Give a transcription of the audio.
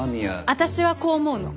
私はこう思うの。